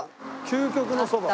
「究極のそば」。